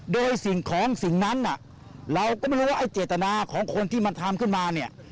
โดยสิ่งของสิ่งนั้นเราก็ไม่รู้ว่าไอ้เจตนาของคนที่มันทำขึ้นมาเนี่ย